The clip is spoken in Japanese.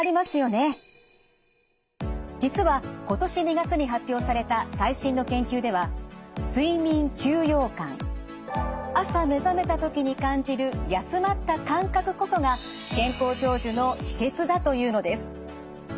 実は今年２月に発表された最新の研究では睡眠休養感朝目覚めたときに感じる休まった感覚こそが健康長寿の秘けつだというのです。